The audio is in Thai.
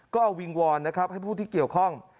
ก็เอาวิงวอนนะครับให้ผู้ที่เกี่ยวข้อง